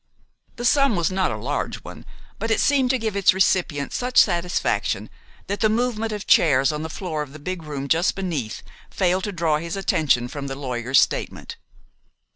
The sum was not a large one; but it seemed to give its recipient such satisfaction that the movement of chairs on the floor of the big room just beneath failed to draw his attention from the lawyer's statement.